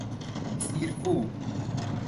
سیرکوب